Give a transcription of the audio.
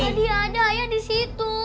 tadi ada ayah disitu